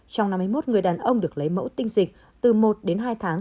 trong năm hai nghìn một mươi một người đàn ông được lấy mẫu tiêm dịch từ một đến hai tháng